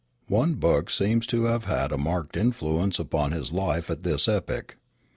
One book seems to have had a marked influence upon his life at this epoch.